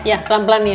ya pelan pelan ya